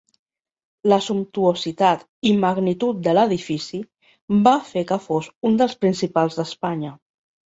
La sumptuositat i magnitud de l'edifici va fer que fos un dels principals d'Espanya.